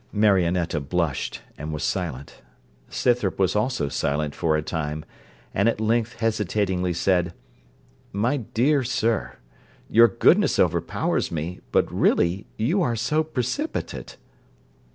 Marionetta blushed, and was silent. Scythrop was also silent for a time, and at length hesitatingly said, 'My dear sir, your goodness overpowers me; but really you are so precipitate.'